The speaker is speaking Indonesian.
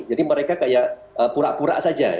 jadi mereka kayak pura pura aja